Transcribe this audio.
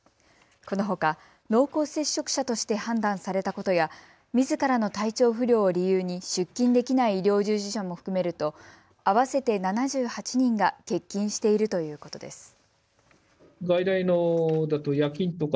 このほか濃厚接触者として判断されたことやみずからの体調不良を理由に出勤できない医療従事者も含めると合わせて７８人が欠勤しているということです。